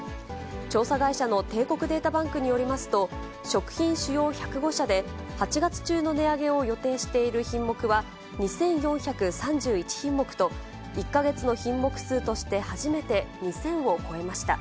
調査会社の帝国データバンクによりますと、食品主要１０５社で、８月中の値上げを予定している品目は２４３１品目と、１か月の品目数として初めて２０００を超えました。